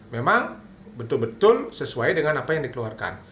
memang betul betul sesuai dengan apa yang dikeluarkan